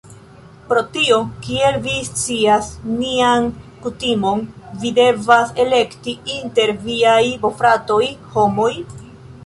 Pro tio, kiel vi scias nian kutimon vi devas elekti inter viaj bofratoj. Homoj?